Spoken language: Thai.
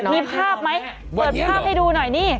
มีภาพไหมเปิดภาพให้ดูหน่อยนี่